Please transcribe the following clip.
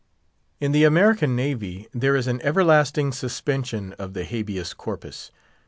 In the American Navy there is an everlasting suspension of the Habeas Corpus.